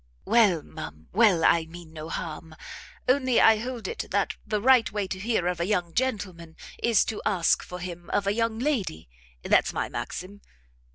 "Well, ma'am, well, I mean no harm: only I hold it that the right way to hear of a young gentleman, is to ask for him of a young lady: that's my maxim.